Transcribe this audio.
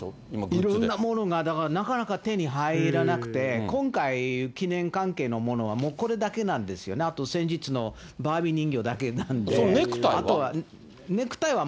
いろんなものが、なかなか手に入らなくて今回、記念関係のものはもうこれだけなんですよね、あと先日のバービーネクタイは？